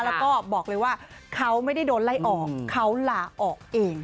แล้วก็บอกเลยว่าเขาไม่ได้โดนไล่ออกเขาลาออกเอง